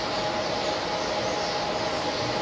ต้องเติมเนี่ย